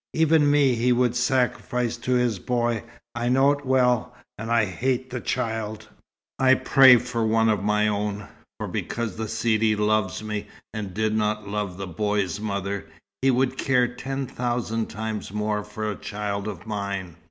"Even me he would sacrifice to his boy. I know it well, and I hate the child. I pray for one of my own, for because the Sidi loves me, and did not love the boy's mother, he would care ten thousand times more for a child of mine.